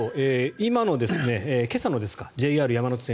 今朝のＪＲ山手線